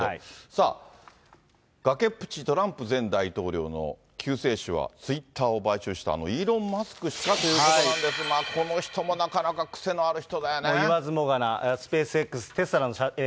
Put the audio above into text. さあ、崖っぷち、トランプ前大統領の救世主はツイッターを買収した、あのイーロン・マスク氏かということなんですが、この人もなかなか癖のある人言わずもがな、スペースＸテスラのＣＥＯです。